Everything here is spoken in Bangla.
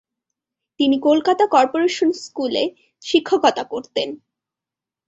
তিনি কোলকাতা কর্পোরেশন স্কুলে শিক্ষকতা করতেন।